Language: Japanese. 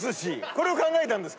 これを考えたんですか？